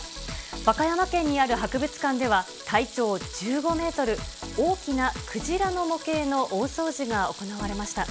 和歌山県にある博物館では、体長１５メートル、大きな鯨の模型の大掃除が行われました。